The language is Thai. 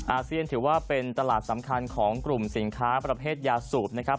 อาเซียนถือว่าเป็นตลาดสำคัญของกลุ่มสินค้าประเภทยาสูบนะครับ